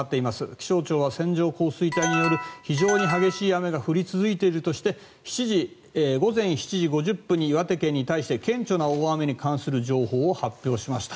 気象庁は線状降水帯による非常に激しい雨が降り続いているとして午前７時５０分に岩手県に対して顕著な大雨に関する情報を発表しました。